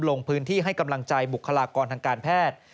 ลงพื้นที่ให้กำลังใจบุคลากรทางการแพทย์